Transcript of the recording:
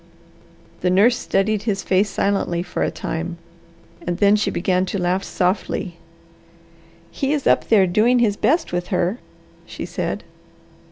The nurse studied his face silently for a time, and then she began to laugh softly. "He is up there doing his best with her," she said.